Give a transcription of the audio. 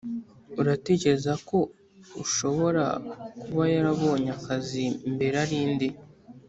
Uratekereza ko ushobora kuba yarabonye akazi mbere ari nde